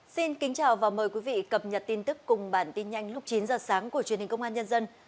xin kính chào và mời quý vị cập nhật tin tức cùng bản tin nhanh lúc chín giờ sáng của truyền hình công an nhân dân